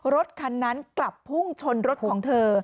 รถคันนั้นกลับพุ่งชนรถของเธอ